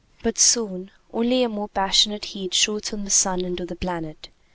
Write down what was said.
But soon only a more passionate heat shoots from the sun into the planet.